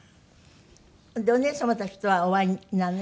お姉様たちとはお会いになるの？